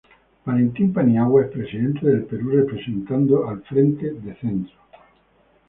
Valentín Paniagua, expresidente del Perú, representando al Frente de Centro.